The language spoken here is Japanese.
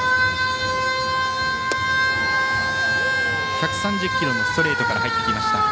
１３０キロのストレートから入ってきました。